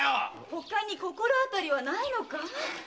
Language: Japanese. ほかに心当たりはないのかい？